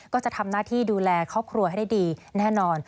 ก็จะทำหน้าที่ดูแลครอบครัวให้ได้ดีแน่นอน